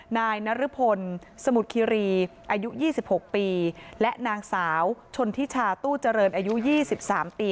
นายนรพลสมุทรคิรีอายุ๒๖ปีและนางสาวชนทิชาตู้เจริญอายุ๒๓ปี